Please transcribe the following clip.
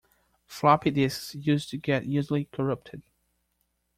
Floppy disks used to get easily corrupted.